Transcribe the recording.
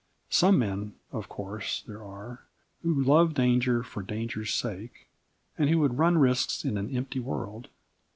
Some men, of course, there are who love danger for danger's sake, and who would run risks in an empty world.